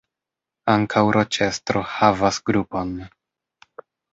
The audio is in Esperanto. Ankaŭ Roĉestro havas grupon.